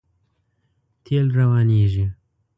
تېل روانېږي.